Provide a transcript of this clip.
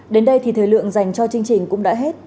đến đây thì thời lượng dành cho chương trình cũng đã hết